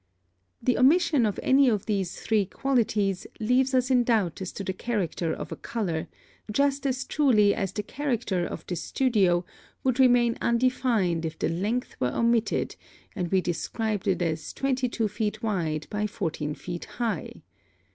The omission of any one of these three qualities leaves us in doubt as to the character of a color, just as truly as the character of this studio would remain undefined if the length were omitted and we described it as 22 feet wide by 14 feet high.